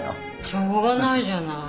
しょうがないじゃない。